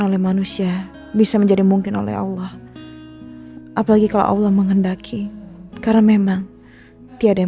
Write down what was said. oleh manusia bisa menjadi mungkin oleh allah apalagi kalau allah menghendaki karena memang tiada yang